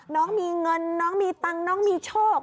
น้องมีเงินน้องมีน้องมีชก